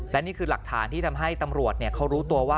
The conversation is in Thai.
และนี่คือหลักฐานที่ทำให้ตำรวจเขารู้ตัวว่า